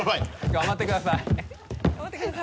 頑張ってください。